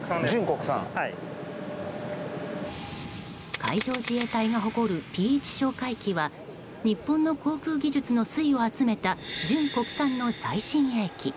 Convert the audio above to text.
海上自衛隊が誇るＰ１哨戒機は日本の航空技術の粋を集めた純国産の最新鋭機。